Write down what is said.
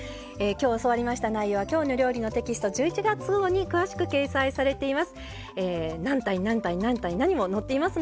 今日教わりました内容は「きょうの料理」のテキスト１１月号に詳しく掲載されています。